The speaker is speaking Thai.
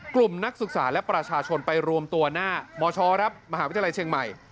นักศึกษาและประชาชนไปรวมตัวหน้ามชครับมหาวิทยาลัยเชียงใหม่